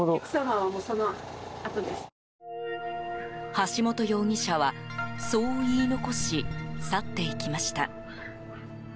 橋本容疑者はそう言い残し去っていきました。